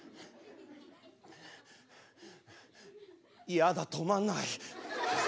やだ止まんない。